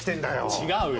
違うよ。